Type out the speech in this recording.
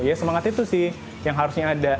ya semangat itu sih yang harusnya ada